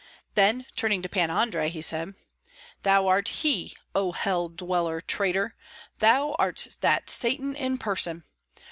Then turning to Pan Andrei, he said, "Thou art he, O hell dweller, traitor! Thou art that Satan in person!